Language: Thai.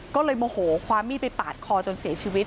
ก็เลยโมโหคว้ามีดไปปาดคอจนเสียชีวิต